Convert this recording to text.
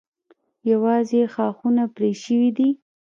یوازې یې ښاخونه پرې شوي دي.